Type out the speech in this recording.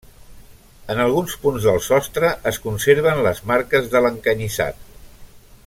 En alguns punts del sostre es conserven les marques de l'encanyissat.